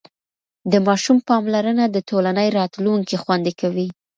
د ماشوم پاملرنه د ټولنې راتلونکی خوندي کوي.